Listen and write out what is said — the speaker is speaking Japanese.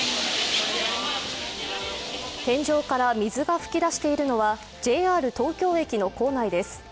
天井から水が噴き出しているのはＪＲ東京駅の構内です。